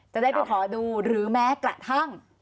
จะได้ไปขอดูหรือแม้กระทั่ง